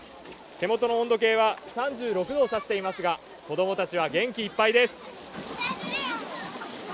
手元の温度計は３６度を指していますが子供たちは元気いっぱいです。